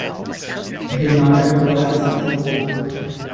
He nodded towards the book.